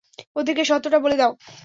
ওদেরকে সত্যটা বলে দাও।